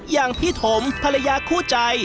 อย่างพี่ถมภรรยาคู่ใจ